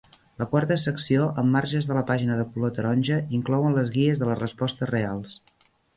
La quarta secció, amb marges de la pàgina de color taronja, inclouen les guies de les respostes reals.